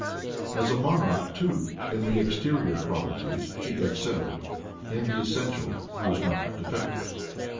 As a monarch too, in the exterior qualities, he excelled; in the essential, he was not defective.